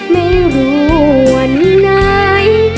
ไม่รู้วันไหน